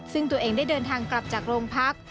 ซึ่งตัวเองได้เดินทางกลับจากโรงพัก